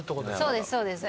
そうですそうです。